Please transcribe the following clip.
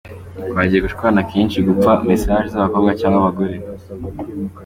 Twagiye dushwana kenshi dupfa msg zabakobwa cg abagore.